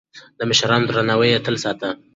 د مشرانو درناوی يې تل ساته.